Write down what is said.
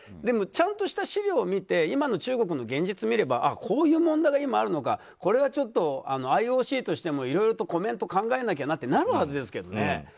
ちゃんとした資料を見て中国の現実を見ればこういう問題が今あるのかＩＯＣとしてもいろいろとコメント考えなきゃとなるはずですけどね。